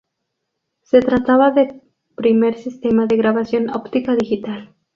Se trataba del primer sistema de grabación óptica digital.